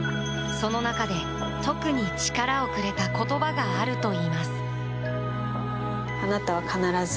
その中で、特に力をくれた言葉があるといいます。